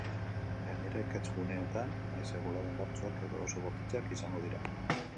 Gainera, ekaitz guneetan haize-bolada indartsuak edo oso bortitzak izango dira.